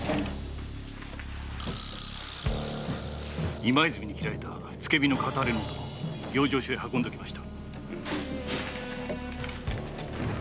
今泉に斬られた付火の片割れの男を養生所へ運んでおきました。